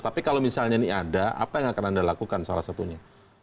tapi kalau misalnya ini ada apa yang akan anda lakukan salah satunya